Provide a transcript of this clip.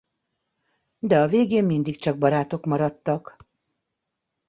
De a végén mindig csak barátok maradtak.